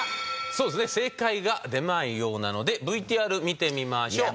そうですね正解が出ないようなのでＶＴＲ見てみましょう。